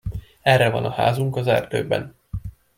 Erre van a házunk az erdőben.